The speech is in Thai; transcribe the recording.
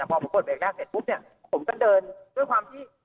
พอผมกดเบรกแรกเสร็จปุ๊บเนี่ยผมก็เดินด้วยความที่